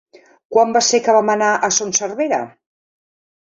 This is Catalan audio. Quan va ser que vam anar a Son Servera?